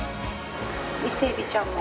伊勢エビちゃんも。